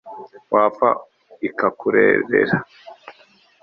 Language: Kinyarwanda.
wapfa ikakurerera